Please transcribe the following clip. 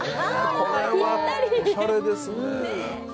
これはおしゃれですね